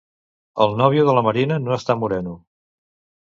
El novio de la Marina no està moreno.